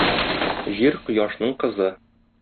Җир - Кояшның кызы.